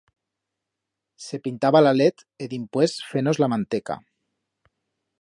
Se pintaba la let e dimpués fenos la manteca.